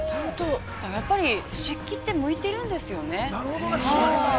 やっぱり漆器って向いているんですよね。